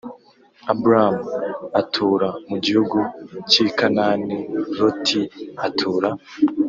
Aburamu atura mu gihugu cy i kanani loti atura